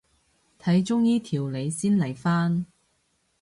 睇中醫調理先嚟返